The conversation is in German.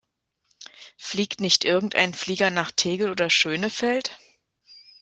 Fliegt nicht irgendein Flieger nach Tegel oder Schönefeld?